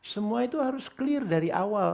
semua itu harus clear dari awal